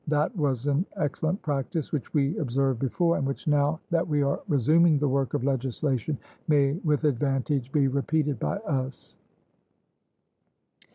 That was an excellent practice, which we observed before, and which now that we are resuming the work of legislation, may with advantage be repeated by us.